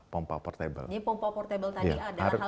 jadi pompa portable tadi adalah